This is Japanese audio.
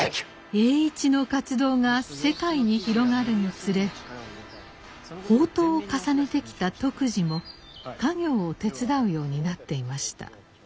栄一の活動が世界に広がるにつれ放蕩を重ねてきた篤二も家業を手伝うようになっていました。